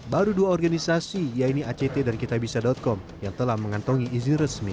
baru dua organisasi yaitu act dan kitabisa com yang telah mengantongi izin resmi